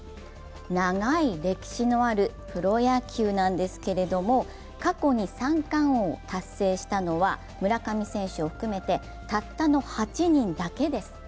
長い歴史のあるプロ野球なんですけれども、過去に三冠王を達成したのは村上選手を含めてたったの８人だけです。